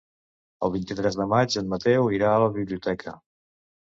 El vint-i-tres de maig en Mateu irà a la biblioteca.